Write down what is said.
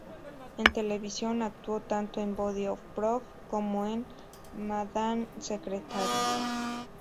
En televisión, actuó tanto en "Body of Proof" como en "Madam Secretary".